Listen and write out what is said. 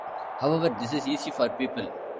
However, this is easy for people.